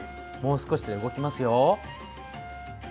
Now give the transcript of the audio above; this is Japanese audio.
もう少しで動きますよ。